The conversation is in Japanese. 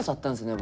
僕。